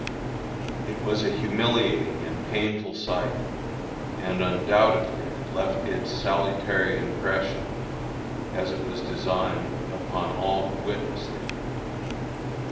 It was a humiliating and painful sight, and undoubtedly it left its salutary impression, as it was designed, upon all who witnessed it.